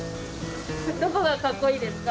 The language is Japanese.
どこがかっこいいですか？